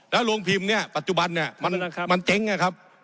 แล้วโรงพิมพ์เนี่ยปัจจุบันเนี่ยมันครับมันเจ๊งอ่ะครับ